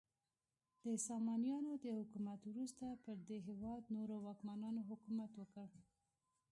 د سامانیانو د حکومت وروسته پر دې هیواد نورو واکمنانو حکومت وکړ.